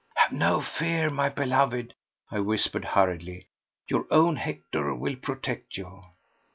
"Have no fear, my beloved," I whispered hurriedly. "Your own Hector will protect you!"